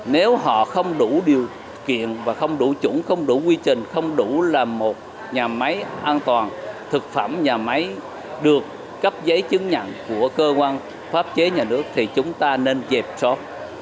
nếu họ không đủ điều kiện và không đủ chuẩn không đủ quy trình không đủ là một nhà máy an toàn thực phẩm nhà máy được cấp giấy chứng nhận của cơ quan pháp chế nhà nước thì chúng ta nên dẹp sót